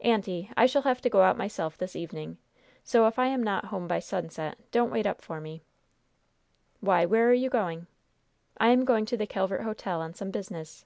"Aunty, I shall have to go out myself this evening, so, if I am not home by sunset, don't wait up for me." "Why, where are you going?" "I am going to the Calvert Hotel on some business."